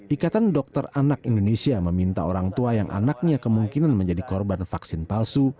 ikatan dokter anak indonesia meminta orang tua yang anaknya kemungkinan menjadi korban vaksin palsu